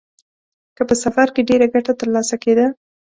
که په سفر کې ډېره ګټه ترلاسه کېده.